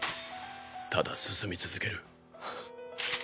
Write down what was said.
ただ進み続ける。